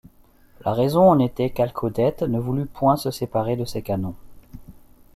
La raison en était qu'Alcaudete ne voulu point se séparer de ses canons.